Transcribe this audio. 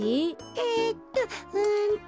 えっとうんと。